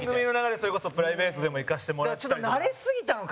それこそ、プライベートでも行かせてもらったりとか。